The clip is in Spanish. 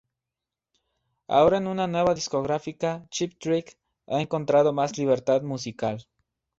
Ahora en una nueva discográfica, Cheap Trick ha encontrado más libertad musical.